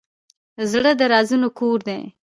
زړه د رازونو کور دی.